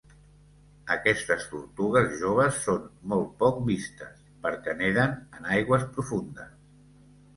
Aquestes tortugues joves són molt poc vistes, perquè neden en aigües profundes.